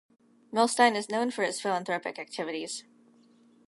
Milstein is known for his philanthropic activities.